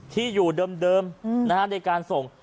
ที่อยู่เดิมในการส่ง